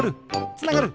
つながる！